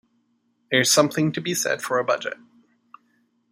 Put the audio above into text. There's something to be said for a budget.